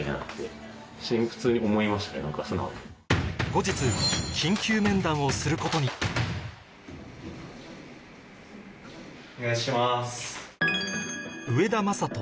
後日をすることにお願いします。